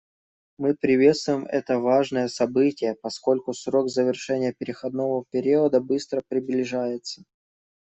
Мы приветствуем это важное событие, поскольку срок завершения переходного периода быстро приближается.